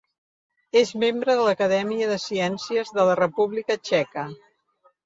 És membre de l'Acadèmia de Ciències de la República Txeca.